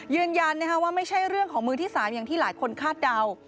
ยืนยันว่าไม่ใช่เรื่องของมือที่๓อย่างที่หลายคนคาดเดา